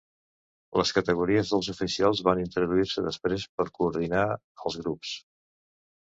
Les categories dels oficials van introduir-se després per coordinar els grups.